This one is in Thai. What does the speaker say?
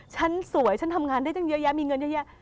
ฉันสวยฉันทำงานได้ตั้งเยอะแยะมีเงินเยอะแยะ